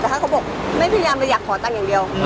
แต่ถ้าเขาบอกไม่พยายามเลยอยากขอตังค์อย่างเดียว